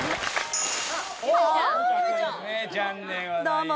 どうも！